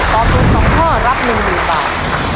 ตอบถูก๒ข้อรับ๑๐๐๐บาท